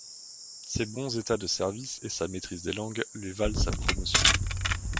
Ses bons états de services et sa maîtrise des langues lui valent sa promotion.